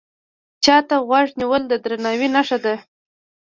چا ته غوږ نیول د درناوي نښه ده